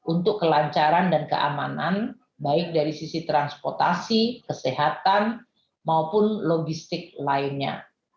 untuk kelancaran dan keamanan baik dari sisi transportasi kesehatan maupun logistik lainnya